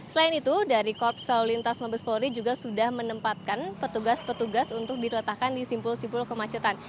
selain itu dari korps selalu lintas mabes polri juga sudah menempatkan petugas petugas untuk diletakkan di simpul simpul kemacetan